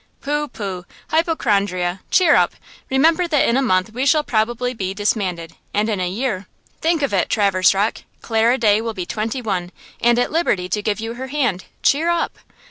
"Pooh, pooh! hypochondria! cheer up! Remember that in a month we shall probably be disbanded, and in a year–think of it, Traverse Rocke–Clara Day will be twenty one, and at liberty to give you her hand. Cheer up!"